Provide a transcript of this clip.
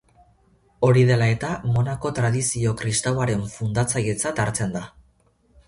Hori dela eta, monako-tradizio kristauaren fundatzailetzat hartzen da.